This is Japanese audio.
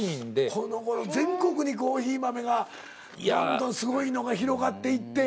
このごろ全国にコーヒー豆がどんどんすごいのが広がっていって。